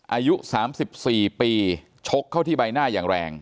อายุ๓๔ปีชกเข้าที่ใบหน้าอย่างแรง